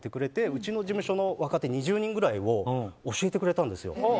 うちの事務所の若手２０人ぐらいを教えてくれたんですよ。